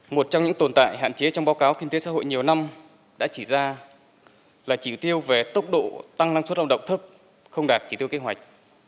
một trong những tồn tại hạn chế trong báo cáo kinh tế xã hội nhiều năm đã chỉ ra là chỉ tiêu về tốc độ tăng năng suất lao động thấp không đạt chỉ tiêu kế hoạch